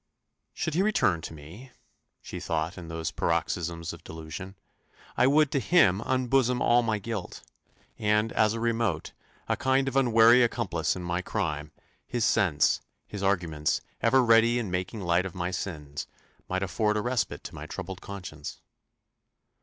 "Should he return to me," she thought in those paroxysms of delusion, "I would to him unbosom all my guilt; and as a remote, a kind of unwary accomplice in my crime, his sense, his arguments, ever ready in making light of my sins, might afford a respite to my troubled conscience."